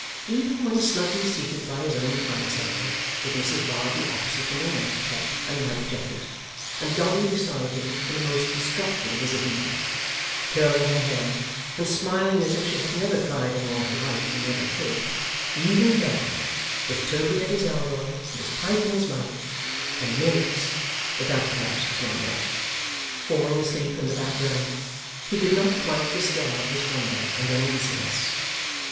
Even when snugly seated by his own fireside, with Mrs Varden opposite in a nightcap and night jacket, and Dolly beside him (in a most distracting dishabille) curling her hair, and smiling as if she had never cried in all her life and never could even then, with Toby at his elbow and his pipe in his mouth, and Miggs (but that perhaps was not much) falling asleep in the background, he could not quite discard his wonder and uneasiness.